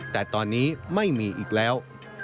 แต่ตอนนี้ไม่มีอีกแล้ว